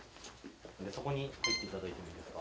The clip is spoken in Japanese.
そこに入っていただいてもいいですか？